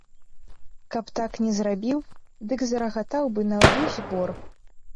Каб так не зрабіў, дык зарагатаў бы на ўвесь бор.